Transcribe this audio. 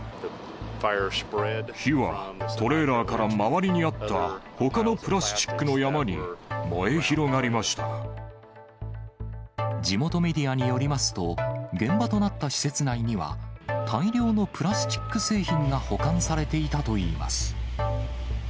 火はトレーラーから周りにあったほかのプラスチックの山に燃地元メディアによりますと、現場となった施設内には、大量のプラスチック製品が保管されていたといいます。